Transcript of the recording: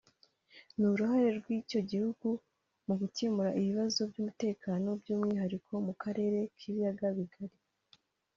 n’uruhare rw’icyo gihugu mu gukemura ibibazo by’umutekano by’umwihariko mu Karere k’Ibiyaga Bigari